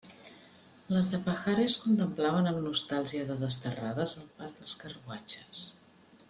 Les de Pajares contemplaven amb nostàlgia de desterrades el pas dels carruatges.